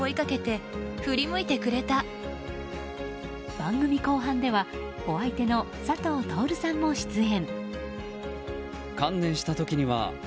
番組後半ではお相手の佐藤達さんも出演。